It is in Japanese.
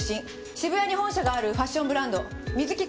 渋谷に本社があるファッションブランドＭＩＺＵＫＩ